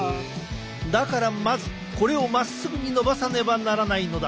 だからまずこれをまっすぐに伸ばさねばならないのだ。